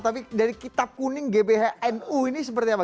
tapi dari kitab kuning gbhnu ini seperti apa